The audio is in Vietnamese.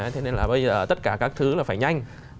thế nên là bây giờ ở tất cả các thứ là phải nhanh